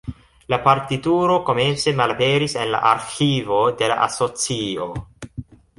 La partituro komence malaperis en la arĥivo de la asocio.